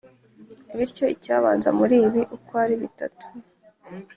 Bityo icyabanza muri ibi uko ari bitatu